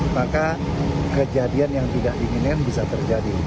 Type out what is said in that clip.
maka kejadian yang tidak diinginkan bisa terjadi